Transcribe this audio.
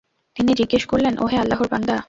তিনি জিজ্ঞেস করলেন, ওহে আল্লাহর বান্দা!